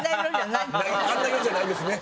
あんな色じゃないですね。